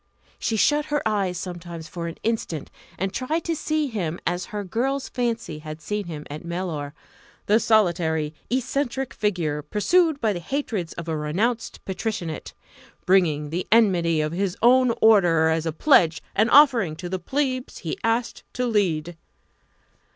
She shut her eyes sometimes for an instant and tried to see him as her girl's fancy had seen him at Mellor the solitary, eccentric figure pursued by the hatreds of a renounced Patricianate bringing the enmity of his own order as a pledge and offering to the Plebs he asked to lead.